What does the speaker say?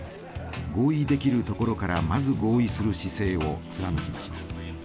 合意できるところからまず合意する姿勢を貫きました。